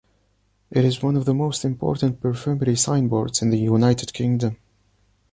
It is one of the most important perfumery signboards in the United Kingdom.